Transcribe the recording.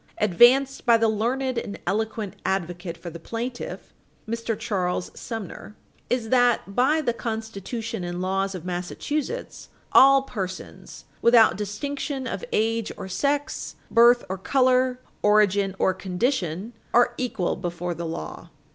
206, "advanced by the learned and eloquent advocate for the plaintiff" (Mr. Charles Sumner), "is that, by the constitution and laws of Massachusetts, all persons without distinction of age or sex, birth or color, origin or condition, are equal before the law.